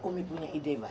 komi punya ide mbah